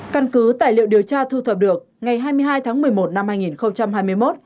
căn cứ tài liệu điều tra thu thập được ngày hai mươi hai tháng một mươi một năm hai nghìn hai mươi một